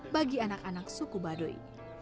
bagi anak anak suku baduy